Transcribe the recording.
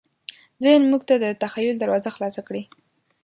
ذهن موږ ته د تخیل دروازه خلاصه کړې.